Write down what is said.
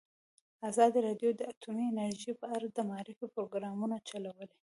ازادي راډیو د اټومي انرژي په اړه د معارفې پروګرامونه چلولي.